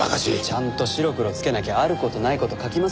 ちゃんと白黒つけなきゃある事ない事書きますよ。